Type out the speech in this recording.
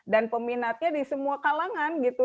dan peminatnya di semua kalangan gitu